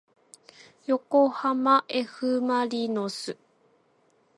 よこはまえふまりのす